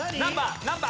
何番？